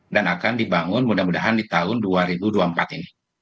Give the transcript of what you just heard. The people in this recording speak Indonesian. dan akan dibangun mudah mudahan di tahun dua ribu dua puluh empat ini